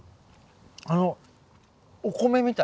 あのお米みたい。